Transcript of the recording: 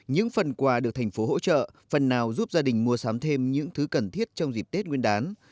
những phần quà được thành phố hỗ trợ phần nào giúp gia đình mua sắm thêm những thứ cần thiết trong dịp tết nguyên đán